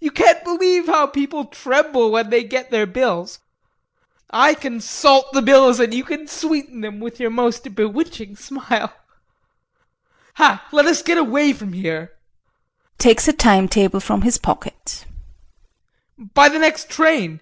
You can't believe how people tremble when they get their bills I can salt the bills and you can sweeten them with your most bewitching smile ha, let us get away from here [Takes a time table from his pocket] immediately by the next train.